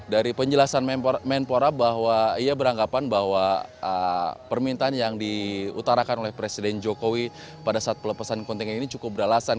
dari penjelasan menpora bahwa ia beranggapan bahwa permintaan yang diutarakan oleh presiden jokowi pada saat pelepasan kontingen ini cukup beralasan